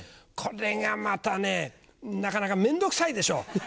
これがまたねなかなか面倒くさいでしょ。